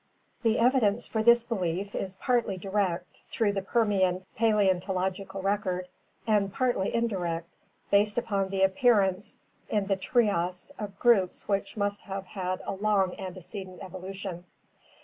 The evidence for this belief is partly direct, through the Permian paleontological record, and partly indirect, based upon the appearance in the Trias of groups which must have had a long antecedent evolution.